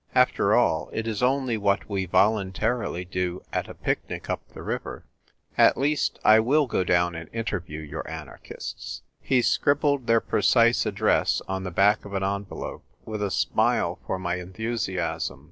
After all, it is only what we voluntarily do at a picnic up the river. At least, I will go down and interview your anarchists." ENVIRONMENT WINS. 39 He scribbled their precise address on the back of an envelope, with a smile for my en thusiasm.